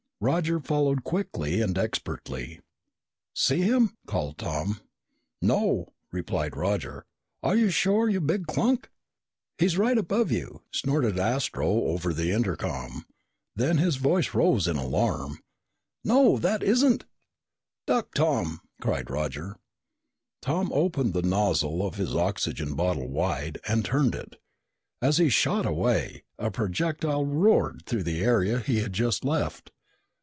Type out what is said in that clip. Roger followed quickly and expertly. "See him?" called Tom. "No," replied Roger. "Are you sure, you big clunk?" "He's right above you!" snorted Astro over the intercom. Then his voice rose in alarm. "No! That isn't " "Duck, Tom!" cried Roger. Tom opened the nozzle of his oxygen bottle wide and turned it. As he shot away, a projectile roared through the area he had just left.